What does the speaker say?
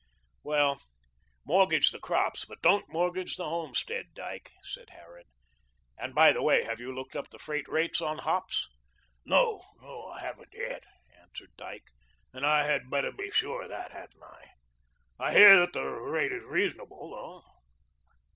"Well, mortgage the crops, but don't mortgage the homestead, Dyke," said Harran. "And, by the way, have you looked up the freight rates on hops?" "No, I haven't yet," answered Dyke, "and I had better be sure of that, hadn't I? I hear that the rate is reasonable, though."